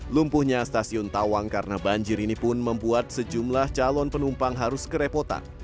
lumpuhnya stasiun tawang karena banjir ini pun membuat sejumlah calon penumpang harus kerepotan